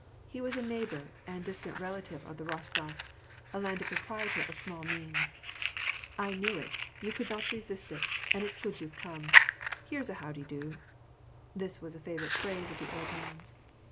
He was a neighbor and distant relative of the Kostofs — a landed proprietor of small means. ^' I knew it, you could not resist it, and it's good you came. Here's a how de do!" This was a favorite phrase of the old man's.